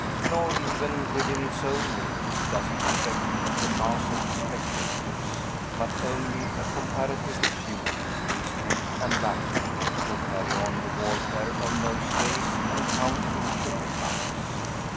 Nor, even within its own limits, does it affect the mass of spectators, but only a comparatively few, in street and balcony, who carry on the warfare of nosegays and counterfeit sugar plums.